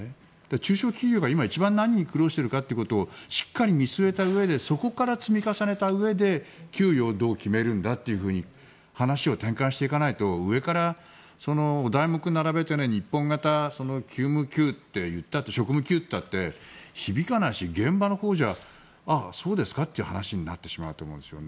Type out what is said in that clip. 中小企業が今一番何に苦労しているかということをしっかり見据えたうえでそこから積み重ねたうえで給与をどう決めるんだというふうに話を転換していかないと上からお題目を並べて日本型、職務給って言ったって響かないし、現場のほうではそうですかという話になってしまうと思うんですよね。